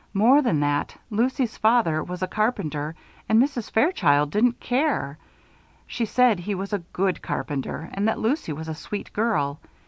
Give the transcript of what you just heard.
More than that, Lucy's father was a carpenter and Mrs. Fairchild didn't care. She said he was a good carpenter; and that Lucy was a sweet girl.